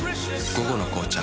「午後の紅茶」